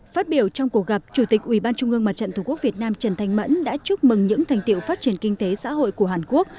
phát biểu trong cuộc gặp chủ tịch ủy ban trung ương mặt trận tổ quốc việt nam trần thanh mẫn đã chúc mừng những thành tiệu phát triển kinh tế xã hội của hàn quốc